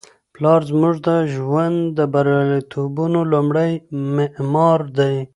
پلار زموږ د ژوند د بریالیتوبونو لومړی معمار دی.